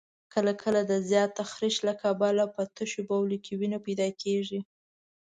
کله کله د زیات تخریش له کبله په تشو بولو کې وینه پیدا کېږي.